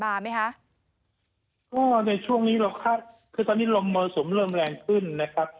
ในช่วงนี้เราคาดคือตอนนี้ลมมสมเริ่มแรงขึ้นนะครับ